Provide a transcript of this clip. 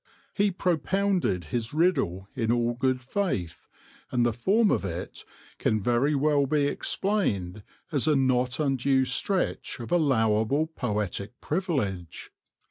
He pro pounded his riddle in all good faith, and the form of it can very well be explained as a not undue stretch of allowable poetic privilege.